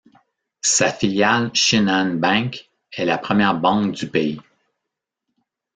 Sa filiale Shinhan Bank est la première banque du pays.